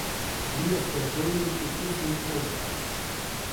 Лиясто жойнить те тюссонть ковшка.